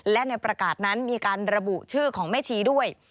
และในประกาศนั้นมีการระบุชื่อของแม่ชีด้วย